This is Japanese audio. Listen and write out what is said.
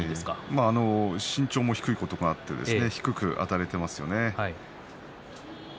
まあ身長も低いこともあって低くあたれていますよね。